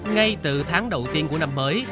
ngay từ tháng đầu tiên của năm mới